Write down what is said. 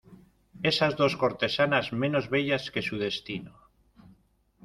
esas dos cortesanas menos bellas que su destino.